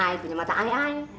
ayah punya mata ayah